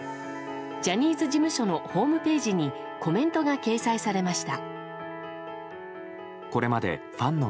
ジャニーズ事務所のホームページにコメントが掲載されました。